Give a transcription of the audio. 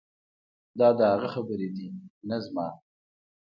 دا د هغه خبرې دي نه زما.